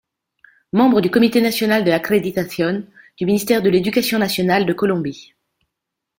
Membre du Comité Nacional de Acreditación du Ministère de l'Éducation nationale de Colombie.